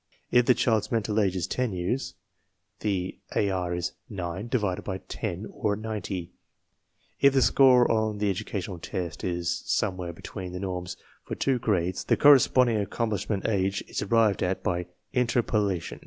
If the child's mental age is ten years, the AR is 9 s 40, or 90. If the score on the educational test is somewhere between the norms for two grades, the corresponding accomplishment age is arrived at by interpolation.